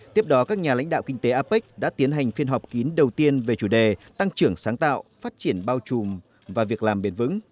tiếp đó các nhà lãnh đạo kinh tế apec đã tiến hành phiên họp kín đầu tiên về chủ đề tăng trưởng sáng tạo phát triển bao trùm và việc làm bền vững